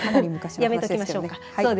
やめておきましょうか。